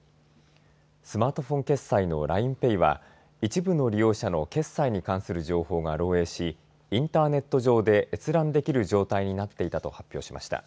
スマートフォン決済のＬＩＮＥＰａｙは一部の利用者の決済に関する情報が漏えいしインターネット上で閲覧できる状態になっていたと発表しました。